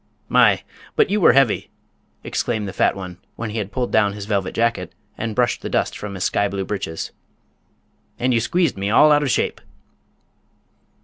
"My! but you were heavy," exclaimed the fat one, when he had pulled down his velvet jacket and brushed the dust from his sky blue breeches. "And you squeezed me all out of shape."